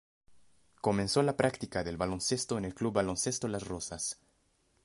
Comenzó la práctica del baloncesto en el Club Baloncesto Las Rozas.